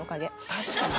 確かに。